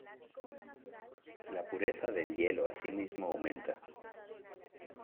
La pureza del hielo asimismo aumenta.